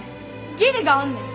義理があんねん。